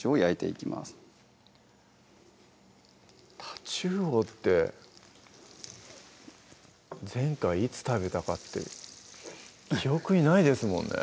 たちうおって前回いつ食べたかって記憶にないですもんね